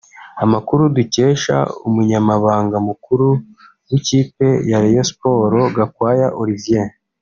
Amakuru dukesha Umunyamabanga Mukuru w’ikipe ya Rayon Sports Gakwaya Olivier